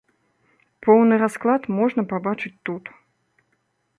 Поўны расклад можна пабачыць тут.